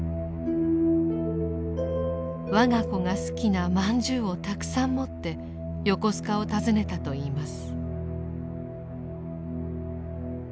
我が子が好きなまんじゅうをたくさん持って横須賀を訪ねたといいます。